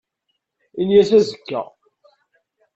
Ini-as azekka.